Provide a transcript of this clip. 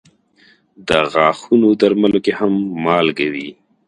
د غاښونو درملو کې هم مالګه وي.